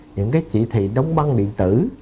những cái chỉ thị đóng băng điện tử